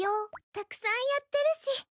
たくさんやってるし。